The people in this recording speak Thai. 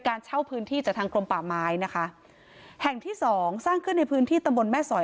เช่าพื้นที่จากทางกรมป่าไม้นะคะแห่งที่สองสร้างขึ้นในพื้นที่ตำบลแม่สอย